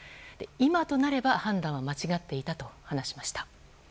今となれば判断は間違っていたと話しました。